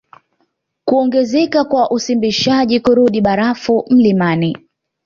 Kuongezeka kwa usimbishaji kurudi barafu mlimani